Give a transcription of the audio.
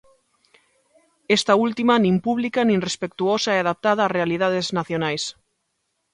Esta última nin pública, nin respectuosa e adaptada ás realidades nacionais.